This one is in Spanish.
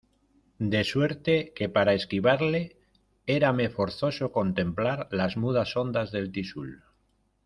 de suerte que para esquivarle érame forzoso contemplar las mudas ondas del Tixul